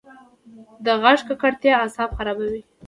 د غږ ککړتیا اعصاب خرابوي.